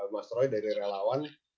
mas roy dari relawan